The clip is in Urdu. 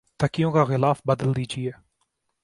تکیوں کا غلاف بدل دیجئے